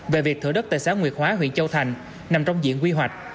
về việc thửa đất tài sản nguyệt hóa huyện châu thành nằm trong diện quy hoạch